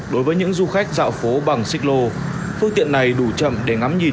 đối với những du khách dạo phố bằng xích lô phương tiện này đủ chậm để ngắm nhìn